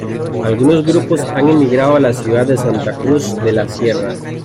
Algunos grupos han emigrado a la ciudad de Santa Cruz de la Sierra.